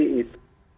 kita membatasi itu